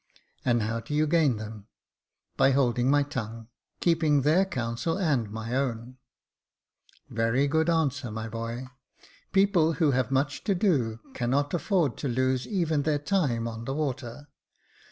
" And how do you gain them ?" "By holding my tongue; keeping their counsel and my own," " Very good answer, my boy. People who have much to do cannot afford to lose even their time on the water.